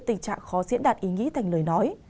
tình trạng khó diễn đạt ý nghĩa thành lời nói